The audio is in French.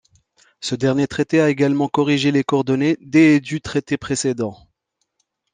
Ce dernier traité a également corrigé les coordonnées des et du traité précédent.